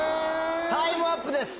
タイムアップです。